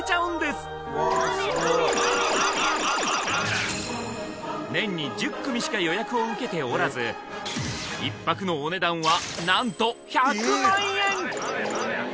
すごい年に１０組しか予約を受けておらず１泊のお値段は何と１００万円！